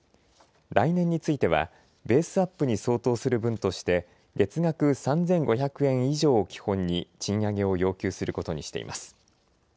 来年については、ベースアップに相当する分として、月額３５００円以上を基本に、賃上げを要求することにしています。